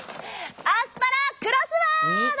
アスパラクロスワード！